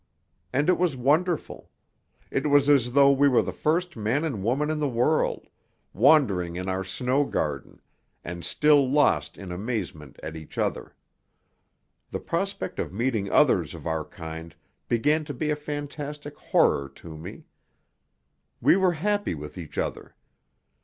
And it was wonderful. It was as though we were the first man and woman in the world, wandering in our snow garden, and still lost in amazement at each other. The prospect of meeting others of our kind began to be a fantastic horror to me. We were happy with each other.